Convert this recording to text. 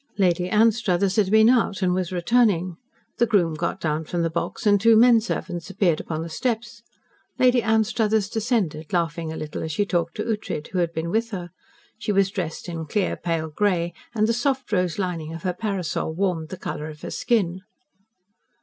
Lady Anstruthers had been out and was returning. The groom got down from the box, and two men servants appeared upon the steps. Lady Anstruthers descended, laughing a little as she talked to Ughtred, who had been with her. She was dressed in clear, pale grey, and the soft rose lining of her parasol warmed the colour of her skin.